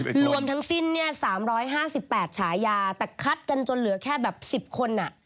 คือรวมทั้งสิ้นเนี่ย๓๕๘ฉายาแต่คัดกันจนเหลือแค่แบบ๑๐คนอ่ะ